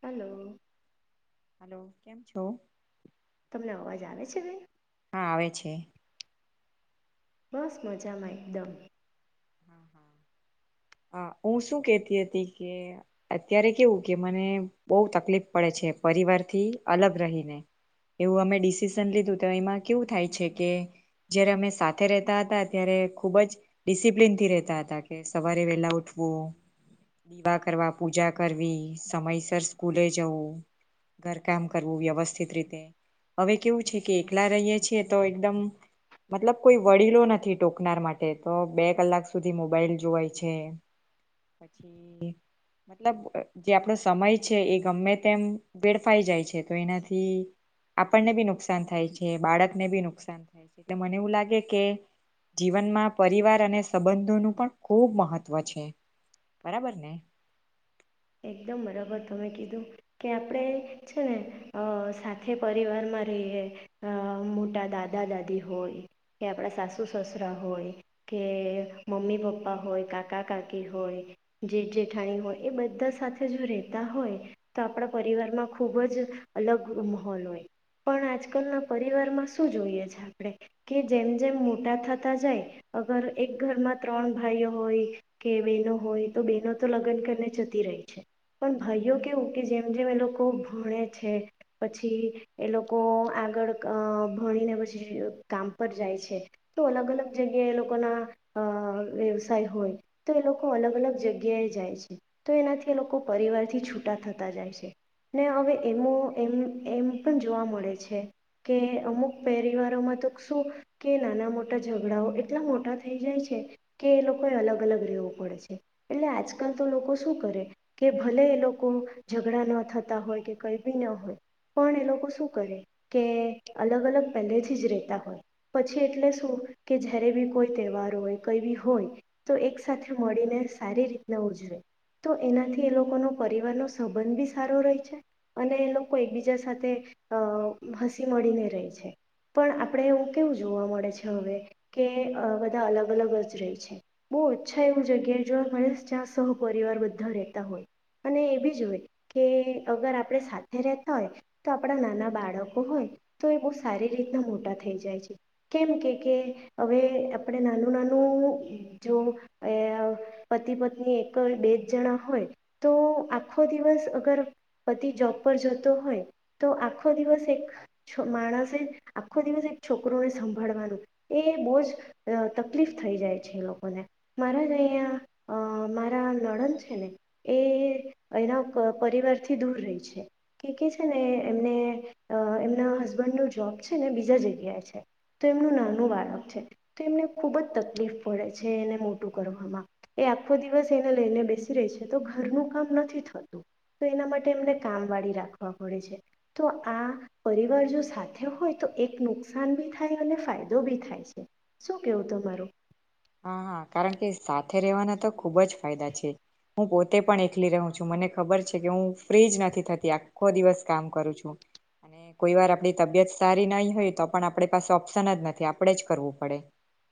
Hello. Hello. કેમ છો? તમને અવાજ આવે છે ને? [unintelligible] બસ મજામાં એકદમ. હા, હું શું કેતી હતી કે અત્યારે કેવું કે મને બહુ તકલીફ પડે છે પરિવારથી અલગ રહીને, એવું અમે ડિસિસન લીધું તો એમાં કેવું થાય છે કે જયારે અમે સાથે રહેતા હતા ત્યારે ખુબ જ ડિસિપ્લન અમે એમ કેહતા હતા કે સવારે વેહલા ઉઠવું, દીવા કરવા, પૂજા કરવી, સમયસર સ્કૂલે જવું, ઘરકામ કરવું વ્યવસ્થિત રીતે હવે કેવું છે કે એકલા રહીએ છીએ તો એકદમ મતલબ કોઈ વડીલો નથી ટોકનાર માટે તો બે કલાક એ મોબાઈલ જોવાય છે પછી મતલબ કે આપણો સમય છે એ ગમે તેમ બેેડફાઈ જાય છે તો એનાથી આપણને બી નુકસાન થાય છે બાળકને બી નુકસાન થાય છે એ મને એવું લાગે કે જીવનમાં પરિવાર અને સંબંધોનું પણ ખૂબ મહત્વ છે. બરાબર ને? એકદમ બરાબર તમે કીધું કે આપણે છે ને સાથે પરિવારમાં રહીએ મોટા દાદા દાદી હોય, કે આપણા સાસુ સસરા હોય, કે મમ્મી પપ્પા હોય, કાકા કાકી હોય, જેઠ જેઠાણી હોય એ બધ બધા સાથે જો રહેતા હોય તો આપણા પરિવારમાં ખૂબ જ અલગ માહોલ હોય પણ આજકાલના પરિવારમાં શું જોઈએ છે આપણે કે જેમ જેમ મોટા થતા જાય અગર એક ઘરમાં ત્રણ ભાઈઓ હોય કે બહેનો હોય તો બહેનો તો લગ્ન કરીને [unintelligible] પણ ભાઈઓ કેવું કે જેમ જેમ એ લોકો ભણે છે પછી એ લોકો આગળ અ ભણીને પછી કામ પર જાય છે તો અલગ અલગ જગ્યાએ એ લોકો ના અ વ્યવસાય હોય તો એ લોકો અલગ અલગ જગ્યાએ જાય છે. તો એનાથી એ લોકો પરિવારથી છૂટા થતા જાય છે ને હવે એમ એમ એમ પણ જોવા મળે છે કે અમુક પરિવારોમાં તો શું કે નાના મોટા ઝઘડાઓ એટલા મોટા થઈ જાય છે કે એ લોકોએ અલગ અલગ રહેવું પડે છે, એટલે આજકાલ તો લોકો શું કરે કે, ભલે એ લોકો ઝઘડા ન થતા હોય કે કંઈ બી ન હોય પણ એ લોકો શું કરે કે અલગ અલગ પહેલેથી જ રહેતા હોય પછી એટલે શું કે જ્યારે બી કોઈ તહેવાર હોય કઈ બી હોય તો એક સાથે મળીને સારી રીતના ઉજવે. તો એનાથી એ લોકોનો પરિવાર નો સંબંધ બી સારો રહે છે અને એ લોકો એકબીજા સાથે અ હસી મળીને રહે છે પણ આપડે એવું કેવું જોવા મળે છે હવે કે બધા અલગ અલગ જ રહે છે, બહુ ઓછા એવું જગ્યાએ જોવા મળે જ્યાં સ હ પરિવાર બધા રહેતા હોય અને એ બી જ હોય કે અગર આપણે સાથે રહેતા હોય તો આપણા નાના બાળક હોય, તો એ બહુ સારી કેટલા મોટા થઈ જાય છે કેમ કે, કે હવે આપણે નાનું, નાનું જો અહ પતિ પત્ની હવે, બે જ જણા હોય તો આખો દિવસ અગર પતિ જોબ પર જતો હોય તો આખો દિવસ એક માણસે આખો દિવસ એક છોકરોને સંભાળવાનું એ બહુ જ અ તકલીફ થઈ જાય છે. એ લોકોને મારા જ અહીંયા એના નણંદ છે ને, એ એના પરિવારથી દૂર રહી છે કે છે ને એમને એમના હસબન્ડનો જોબ છે ને બીજા જગ્યાએ છે તો એમનું નાનું બાળક છે તો એમને ખુબ જ તકલીફ પડે છે એને મોટું કરવામાં એ આખો દિવસ એને લઈને બેસી રહી છે તો ઘરનું કામ નથી થતું તો એના માટે એમને કામ વાળી રાખવા પડે છે તો આ પરિવાર જો સાથે હોય તો એક નુકસાન ભી થાય અને ફાયદો બી થાય છે શું કેવું તમારું? હા હા કારણ કે સાથે રહેવાના તો ખુબ જ ફાયદા છે. હું પોતે પણ એકલી રહું છું મને ખબર છે કે હું ફ્રી જ નથી થતી આખો દિવસ કામ કરું છું અને કોઈ વાર આપડી તબિયત સારી નહી હોય તો પણ આપણી પાસે ઓપ્શન જ નથી આપડે જ કરવું પડે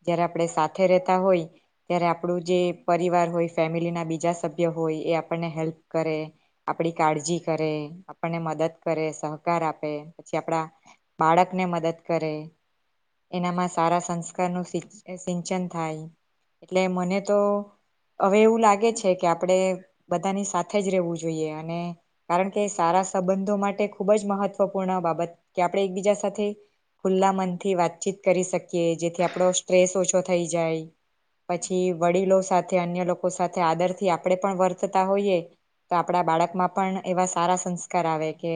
જયારે આપણે સાથ રહેતા હોય ત્યારે આપણું જે પરિવાર હોય ફેમિલીના બીજા સભ્ય હોય એ આપણને હેલ્પ કરે, આપણી કાળજી કરે, આપણને મદદ કરે, સહકાર આપે, પછી આપણા બાળકને મદદ કરે, એનામાં સારા સંસ્કારનું સિંચ સિંચન એટલે મને તો હવે એવું લાગે છે કે, આપણેે બધાની સાથે જ રહેવું જોઈએ અને કારણ કે સારા સંબંધો માટે ખુબ જ મહત્વપૂર્ણ બાબત કે આપણે એકબીજા સાથે ખુલ્લા મનથી વાતચીત કરી શકીએ જેથી આપડો સ્ટ્રેસ ઓછો થઈ જાય. પછી વડીલો સાથે અન્ય લોકો સાથે આદરથી આપણે પણ વર્તતા હોઈએ તો આપણા બાળકમાં પણ એવા સારા સંસ્કાર આવે કે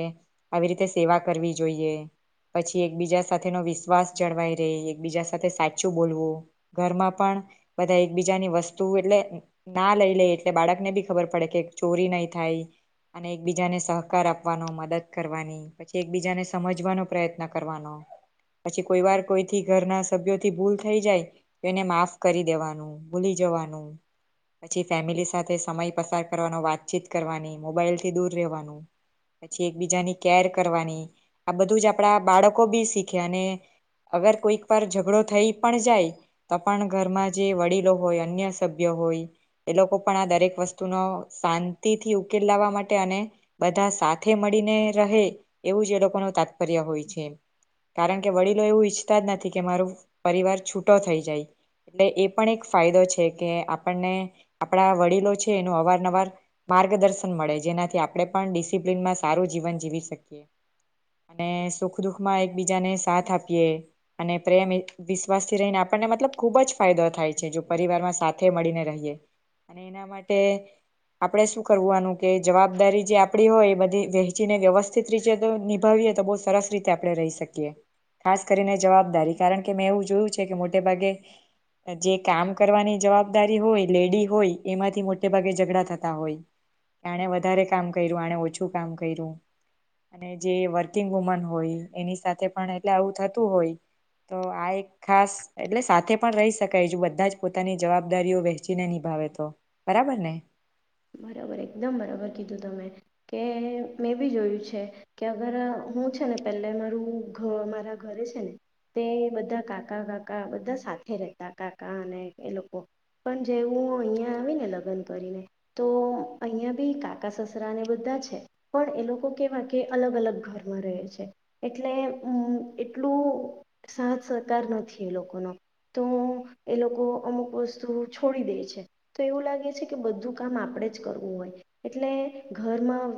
આવી રીતે સેવા કરવી જોઈએ. પછી એકબીજા સાથેનો વિશ્વાસ જળવાઈ રહે એકબીજા સાથે સાચું બોલવું. ઘરમાં પણ બધા એકબીજાની વસ્તુ એટલે ના લઈ લે, એટલે બાળકને બી ખબર પડે કે ચોરી નહી થાય અને એકબીજાને સહકાર આપવાનો મદદ કરવાની પછી એકબીજાને સમજવાનો પ્રયત્ન કરવાનો પછી કોઈ વાર કોઈથી ઘરના સભ્યોથી ભૂલ થઈ જાય એને માફ કરી દેવાનું, ભૂલી જવાનું, પછી ફેમિલી સાથે સમય પસાર કરવાનો વાતચીત કરવાની મોબાઈલથી દૂર રહેવાનું પછી એકબીજાની કેર કરવાની આ બધું જ આપણા બાળકો બી શીખે અને અગર કોઈક વાર ઝઘડો થઈ પણ જાય તો પણ ઘરમાં જે વડીલો હોય અન્ય સભ્ય હોય એ લોકો પણ આ દરેક વસ્તુનો શાંતિથી ઉકેલ લાવવા માટે અને બધા સાથે મળીને રહે એવું જ એ લોકો ન તાત્પર્ય હોય છે. કારણ કે વડીલો એવું ઈચ્છતા જ નથી કે મારોું પરિવાર છૂટો થઈ જાય. એટલે એ પણ એક ફાયદો છે કે આપણને આપણા વડીલો છે એનું અવારનવાર માર્ગદર્શન મળે જેનાથી આપણે પણ ડિસિપ્લનમાં સારું જીવન જીવી શકીએ અને સુખ દુખમાં એકબીજાને સાથ આપીએ અને પ્રેમ વિશ્વાસથી રહીને આપણને મતલબ ખૂબ જ ફાયદો થાય છે જો પરિવારમાં સાથે મળીને રહીએ અને એના માટે આપણે શું કરવાનું કે જવાબદારી જે આપણી હોય એ બધી વહેંચીને વ્યવસ્થિત રીતે તો નિભાવીએ તો બહુ સરસ રીતે આપણે રહી શકીએ ખાસ કરીને જવાબદારી કારણ કે મેં એવું જોયું છે કે મોટે ભાગે જે કામ કરવાની જવાબદારી હોય લેડી હોય એમાંથી મોટે ભાગે ઝઘડા થતા હોય આણે વધારે કામ કર્યું આણે ઓછું કામ કર્યું અને જે વર્કિંગ વુમન હોય એની સાથે પણ એટલે આવું થતું હોય તો આ એક ખાસ એટલે સાથે પણ રહી શકાય જો બધા જ પોતાની જવાબદારીઓ વહેંચીને નિભાવે તો બરાબર ને. બરાબર એકદમ બરાબર કીધું તમે કે મેં બી જોયું છે કે અગર હું છે ને પે મારું મારા ઘરે છે ને તે બધા કાકા કાકા બધા સાથે રહેતા કાકા અને એ લોકો પણ જે હું અહીંયા આવી ને લગન કરીને તો અહિયાંયા બી કાકા સસરાને બધા છે પણ એ લોકો કેવા કે અલગ અલગ ઘરમાં રહે છે એટલે એટલું સાથ સહકાર નથી એ લોકોનો. તો એ લોકો અમુક વસ્તુ છોડી દે છે. તો એવું લાગે છે કે બધું કામ આપણેે જ કરવું હોય એટલે ઘરમાં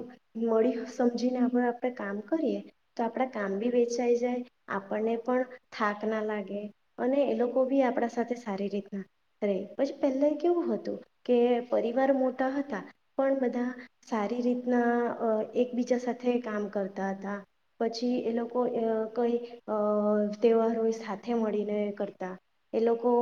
મળી સમજીને આપ આપણે કામ કરીએ તો આપણા કામ બી વેચાઈ જાય આપણને પણ થાક ના લાગે અને એ લોકો બી આપણા સાથે સારી રીતના રહે પછી પહેલા કેવું હતું કે પરી પગાર મોટા હતા પણ બધા સારી રીતના એકબીજા સાથે કામ કરતા હતા પછી એ લોકો કઈ તહેવારો હોય સાથે મળીને કરતા એ લોકો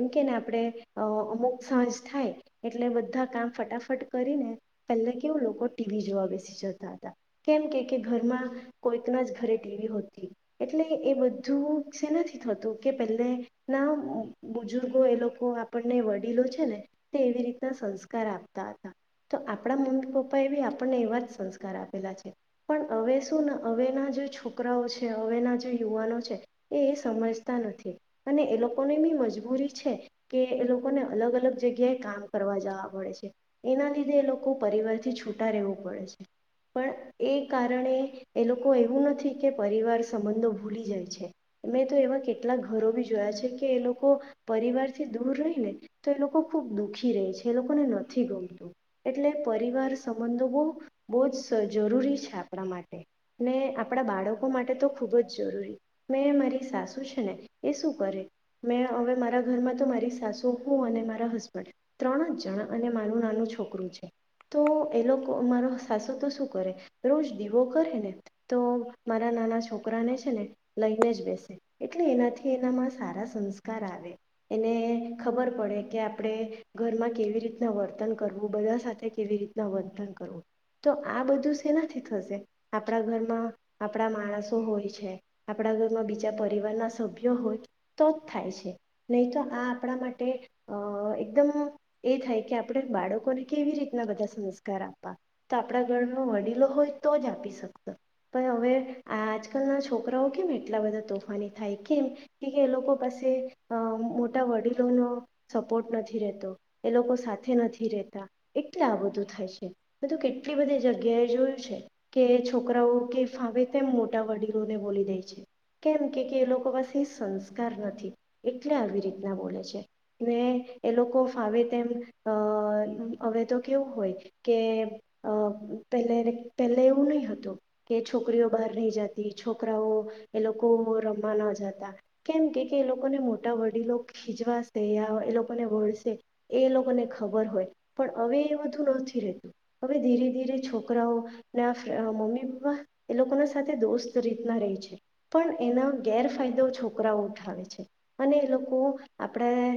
એમ કે ને આપણે અમુક સહજ થાય એટલે બધા બધા કામ ફટાફટ કરીને પહેલા કેવું લોકો ટીવી જોવા બેસી જતા હતા કેમ કે કે ઘરમાં કોઈકના જ ઘરે ટીવી હોતી એટલે એ બધું નથી થતું કે પહેલે ના બુજુર્ગો એ લોકો આપણને વડીલો છે ને તે એવી રીતના સંસ- આપતા હતા તો આપણા મમ્મી પપ્પા એ બી આપણને એવા જ સંસ્કાર આપેલા છે પણ હવે શું હવેના જે છોકરાઓ છે હવેના જે યુવાનો છે એ એ સમજતા નથી અને એ લોકોને બી મજબૂરી છે કે એ લોકોને અલગ અલગ જગ્યાએ કામ કરવા જવા એના લીધે એ લોકો પરિવારથી છૂટા રહેવું પડે છે પણ એ કારણે એ લોકો એવું નથી કે પરિવાર સંબંધો ભૂલી જાય છે. મેં તો એવા કેટલા ઘરો બી જોયા છે કે એ લોકો પરિવારથી દૂર રહી ને તો એ લોકો ખુબ દુઃખી રહે છે એ લોકો નથી ગમતું એટલે પરિવાર સંબંધો બહ બહુ જ જરૂરી છે આપણા માટે ને આપણા બાળકો માટે તો ખૂબ જ જરૂરી મેં મારી સાસુ છે ને એ શું કરે મેં હવે મારા ઘરમાં તો મારી સાસુ હું અને મારા હસબન્ડ ત્રણ જ મારું નાનું છોકરું છે તો એ લોકો મારો સાસુ તો શું કરે રોજ દીવો કરે ને તો મારા નાના છોકરાને છે ને લઈને જ બેસે એટલે એનાથી એનામાં સારા સંસ્કાર આવે એને ખબર પડે કે આપણે ઘરમાં કેવી રીતના વર્તન કરવું બધા સાથે કેવી રીતના વર્તન કરવું તો આ બધું શેનાથી થશે આપણા ઘરમાં આપણા માણસો હોય છે. આપણા ઘરમાં બીજા પરિવારના સભ્યો હોય તો જ થાય છે નહી તો આ આપણા માટે અ એકદમ એ થાય કે આપણે બાળકોને કેવી રીતના બધા સંસ્કાર આપવા તો આપણા ઘરમાં વડીલો હોય તો જ આપી શકશ પણ હવે આજકાલના છોકરાઓ કેમ એટલા બધા તોફાની થાય કેમ કે એ લોકો પાસે અ મોટા વડીલોનો સપોર્ટ નથી રહેતો એ લોકો સાથે નથી રહેતા એટલે આ બધું થાય છે બધું કેટલી બધી જગ્યાએ જોયું છે કે છોકરાઓ કે ફાવે તેમ મોટા વડીલોને બોલી દે છે કેમ કે કે એ લોકો પાસે સંસ્કાર નથી એટલે આવી રીતના બોલે છે ને એ લોકો ફાવે તેમ અ હવે તો કેવું હોય કે અ પે પહેલે એવું નહી હતું કે છોકરીઓ બહાર નહી જતી છોકરાઓ એ લોકો રમવા ન જતા કેમ કે એ લોકોને મોટા વડીલો ખીજવાશે યા એ લોકોને વળશે એ લોકોને ખબર હોય પણ હવે એ બધું નથી રહેતું હવે ધીરે ધીરે છોકરાઓ ના મમ્મી પપ્પા એ લોકોના સાથે દોસ્ત રીતના રહે છે પણ એના ગેરફાયદો છોકરાઓ ઉઠાવે છે અને એ લોકો આપણા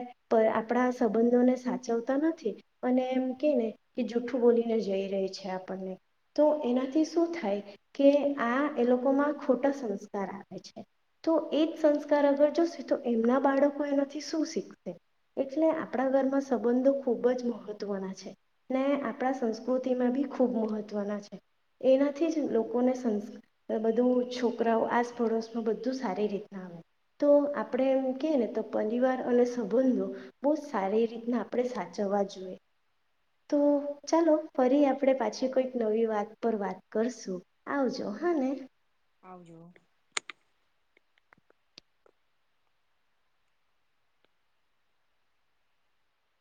આપણા સંબંધોને સાચવતા નથી અને એમ કે ને કે જૂઠું બોલીને જઈ રહી છે આપણને તો એનાથી શું થાય કે આ એ લોકોમાં ખોટા સંસ્કાર આવે છે તો એ જ સંસ્કાર અગર જોશે તો એમના બાળકો એનાથી શું શીખશે એટલે આપણા ઘરમાં સંબંધો ખૂબ જ મહત્ત્વના છે ને આપણા સંસ્કૃતિમાં બી ખૂબ મહત્ત્વના છે એનાથી જ લોકોને બધું છોકરાઓ આસપડોસમાં બધું સારી રીતના આવે તો આપણે એમ ક ને તો પરિવાર અને સંબંધો બહુ જ સારી રીત આપણે સાચવવા જોઈએ તો ચાલો ફરી આપણે પાછી કોઈક નવી વાત પર વાત કરશું આવજો હા ને આવજો